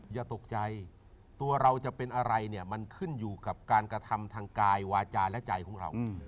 อย่าตกใจตัวเราจะเป็นอะไรเนี่ยมันขึ้นอยู่กับการกระทำทางกายวาจาและใจของเรา